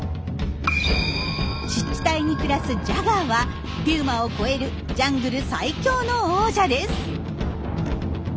湿地帯に暮らすジャガーはピューマを超えるジャングル最強の王者です。